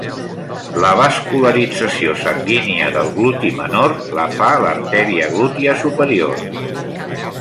La vascularització sanguínia del gluti menor la fa l'artèria glútia superior.